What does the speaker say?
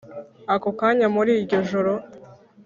Ako kanya muri iryo joro